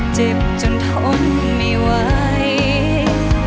เจ็บจนทนไม่ไหว